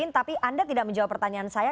tapi anda tidak menjawab pertanyaan saya